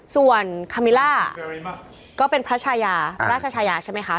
ส่วนคามิล่าก็เป็นพระชายาพระราชชายาใช่ไหมคะ